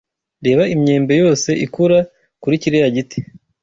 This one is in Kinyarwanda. Reba imyembe yose ikura kuri kiriya giti.